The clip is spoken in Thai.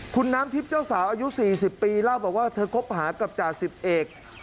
คุณน้ำทิพย์เจ้าสาวอายุ๔๐ปีเล่าบอกว่าเธอคบหากับจ่าสิบเอก